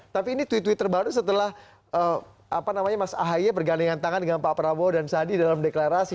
tapi ini tweet tweet terbaru setelah mas ahy bergandingan tangan dengan pak prabowo dan sandi dalam deklarasi